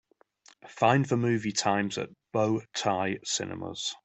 Find the movie times at Bow Tie Cinemas.